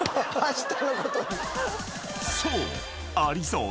［そう！